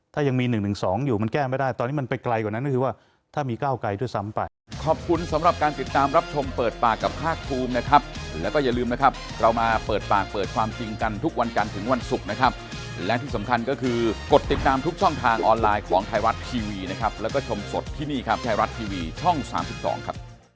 ถ้ายังมี๑๑๒อยู่มันแก้ไม่ได้ตอนนี้มันไปไกลกว่านั้นก็คือว่าถ้ามีก้าวไกลด้วยซ้ำไป